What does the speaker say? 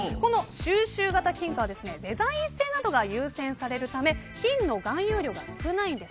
収集型金貨はデザイン性などが優先されるため金の含有量が少ないんです。